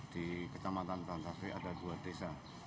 di kecamatan tansari ada dua desa